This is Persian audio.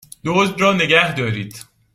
دزد را نگهدارید!